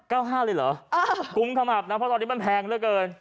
เลยเหรออ่ากุ้มขมับนะเพราะตอนนี้มันแพงเหลือเกิน